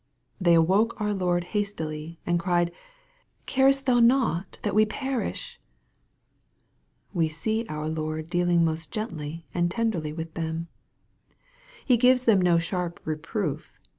They awoke our Lord hastily, and cried, " Carest thou not that we perish ?" We see our Lord dealing most gently and tenderly with them. He gives them no sharp reproof.